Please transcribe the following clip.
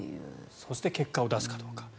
そして結果を出すかどうか。